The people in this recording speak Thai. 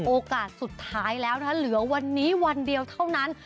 โอกาสสุดท้ายแล้วนะคะเหลือวันนี้วันเดียวเท่านั้น